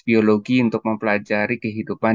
biologi untuk mempelajari kehidupan